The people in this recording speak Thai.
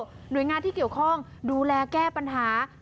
หน่วยงานที่เกี่ยวข้องดูแลแก้ปัญหา